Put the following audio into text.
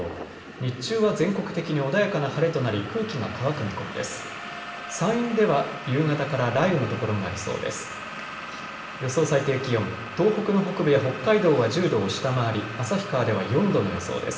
日中は全国的に穏やかな晴れとなり空気が乾く見込みです。